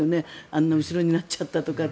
あんな後ろになっちゃったとか。